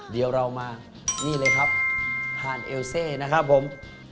เดี๋ยวเรามานี่เลยครับครับครับผม